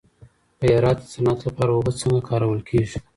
په هرات کي د صنعت لپاره اوبه څنګه کارول کېږي؟